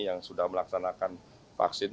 yang sudah melaksanakan vaksin